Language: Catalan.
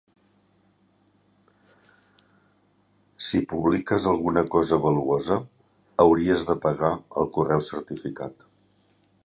Si publiques alguna cosa valuosa, hauries de pagar el correu certificat